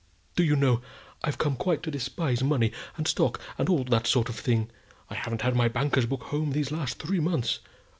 Do you know, I've come quite to despise money and stock, and all that sort of thing. I haven't had my banker's book home these last three months.